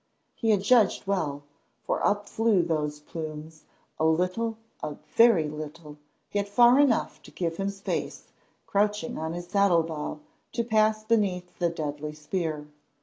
He had judged well, for up flew those plumes, a little, a very little, yet far enough to give him space, crouching on his saddle bow, to pass beneath the deadly spear.